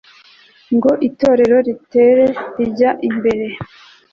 ngo itorero ritere rijya imbere